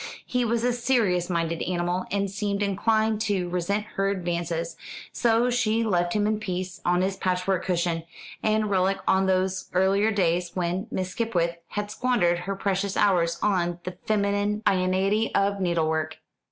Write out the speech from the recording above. He was a serious minded animal, and seemed inclined to resent her advances, so she left him in peace on his patchwork cushion, a relic of those earlier days when Miss Skipwith had squandered her precious hours on the feminine inanity of needle work.